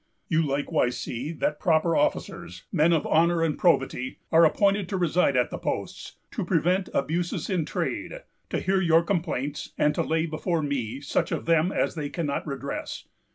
You likewise see that proper officers, men of honor and probity, are appointed to reside at the posts, to prevent abuses in trade, to hear your complaints, and to lay before me such of them as they cannot redress.